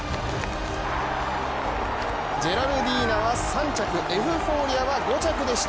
ジェラルディーナは３着エフフォーリアは５着でした。